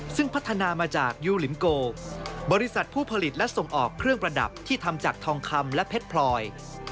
ซึ่งพัฒนามาจากยูลิมโกบริษัทผู้ผลิตและส่งออกเครื่องประดับที่ทำจากทองคำและเพชรพลอย